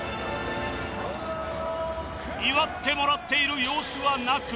祝ってもらっている様子はなく